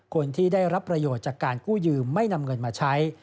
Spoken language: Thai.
คนที่ได้รับประโยชน์จากการกู้ยืมไม่นำเงินมาใช้